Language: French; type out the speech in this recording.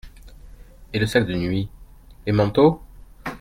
Et le sac de nuit ?… les manteaux ?…